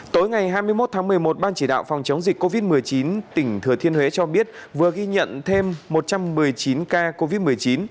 tối ngày hai mươi một tháng một mươi một ban chỉ đạo phòng chống dịch covid một mươi chín tỉnh thừa thiên huế cho biết vừa ghi nhận thêm một trăm một mươi chín ca covid một mươi chín